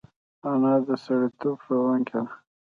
انا د سړیتوب ښوونکې ده